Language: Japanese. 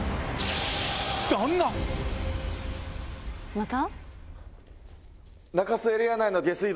また？